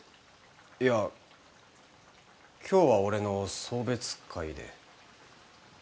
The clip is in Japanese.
いや今日は俺の送別会で。